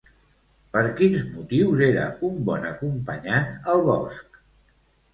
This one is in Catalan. Per quins motius era un bon acompanyant al bosc?